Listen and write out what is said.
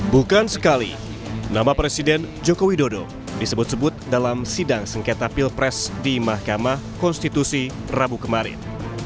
bukan sekali nama presiden joko widodo disebut sebut dalam sidang sengketa pilpres di mahkamah konstitusi rabu kemarin